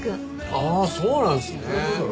ああそうなんですね。